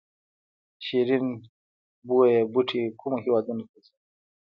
شیرین بویې بوټی کومو هیوادونو ته ځي؟